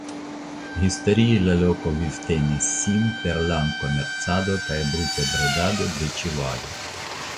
Historie la loko vivtenis sin per lankomercado kaj brutobredado de ĉevaloj.